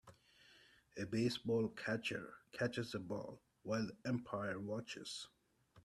A baseball catcher catches a ball while the umpire watches.